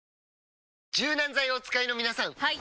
柔軟剤をお使いの皆さんはい！